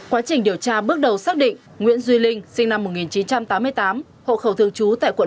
quá trình điều tra bước đầu xác định nguyễn duy linh sinh năm một nghìn chín trăm tám mươi tám hộ khẩu thương chú tại quận